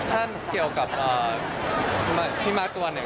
ชั่นเกี่ยวกับพี่มาร์คตัวหนึ่ง